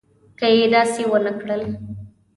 که یې داسې ونه کړل.